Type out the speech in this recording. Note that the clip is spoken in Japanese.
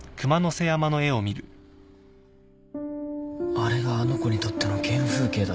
あれがあの子にとっての原風景だとしたら。